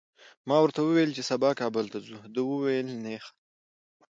ما ورته وویل چي سبا کابل ته ځو، ده وویل نېخه!